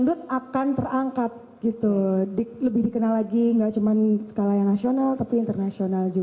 untuk mendukung asian games dua ribu delapan belas